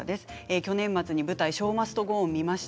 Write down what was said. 去年末に舞台「ショウ・マスト・ゴー・オン」みました。